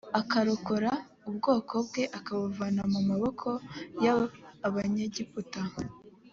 akarokora ubwoko bwe akabuvana mu maboko y abanyegiputa